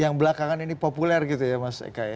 yang belakangan ini populer gitu ya mas eka ya